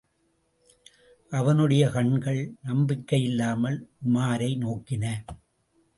அவனுடைய கண்கள் நம்பிக்கையில்லாமல் உமாரை நோக்கின.